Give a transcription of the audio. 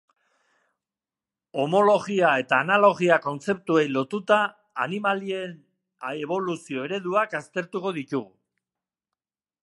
Homologia eta analogia kontzeptuei lotuta, animalien eboluzio-ereduak aztertuko ditugu.